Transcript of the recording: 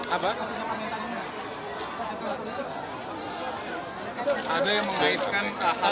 ada yang mengaitkan